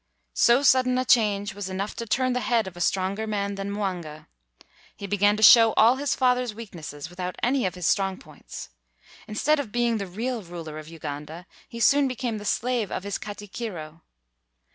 So sudden a change was enough to turn the head of a stronger man than Mwanga. He began to show all his father's weak nesses without any of his strong points. Instead of being the real ruler of Uganda, he soon became the slave of his katikiro.